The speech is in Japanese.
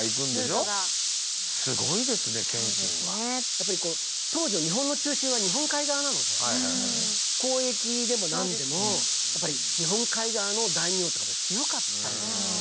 やっぱりこう当時の日本の中心は日本海側なので交易でも何でもやっぱり日本海側の大名とかが強かったんですよね。